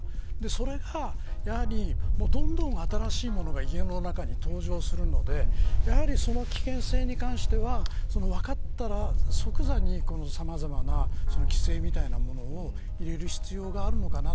それが、どんどん新しいものが家の中に登場するのでやはり、その危険性に関しては分かったら即座にさまざまな規制みたいなものを入れる必要があるのかな。